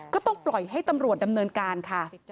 ก็ต้องปล่อยให้ตำรวจดำเนินการค่ะ